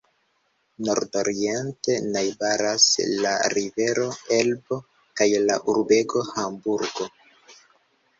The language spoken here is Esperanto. Nordoriente najbaras la rivero Elbo kaj la urbego Hamburgo.